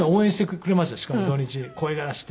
しかも土日に声出して。